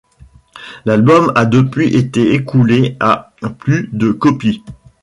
L'album a depuis été écoulé à plus de copies.